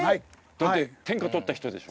だって天下とった人でしょ？